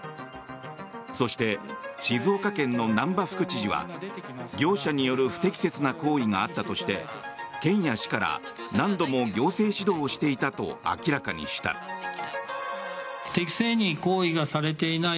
そして、静岡県の難波副知事は業者による不適切な行為があったとして県や市から何度も行政指導していたと明らかにした。